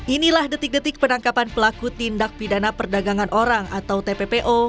inilah detik detik penangkapan pelaku tindak pidana perdagangan orang atau tppo